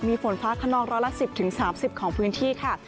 มีฝนฟ้าขนองร้อยละ๑๐๓๐ของพื้นที่ค่ะ